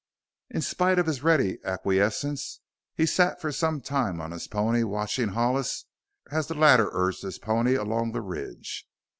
In spite of his ready acquiescence he sat for some time on his pony, watching Hollis as the latter urged his pony along the ridge.